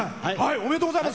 おめでとうございます。